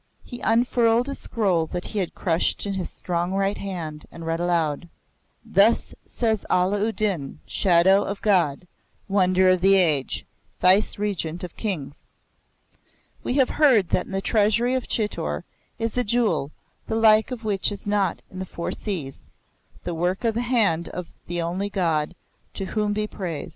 He unfurled a scroll that he had crushed in his strong right hand, and read aloud: "'Thus says Allah u Din, Shadow of God, Wonder of the Age, Viceregent of Kings. We have heard that in the Treasury of Chitor is a jewel, the like of which is not in the Four Seas the work of the hand of the Only God, to whom be praise!